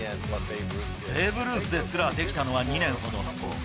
ベーブ・ルースですらできたのは２年ほど。